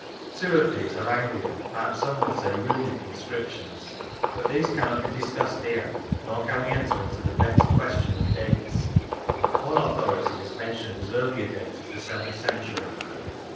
Two of these have Anglian (perhaps some would say Runic) inscriptions, but these cannot be discussed here, nor can we enter into the vexed question of dates; one authority has mentioned as early a date as the seventh century.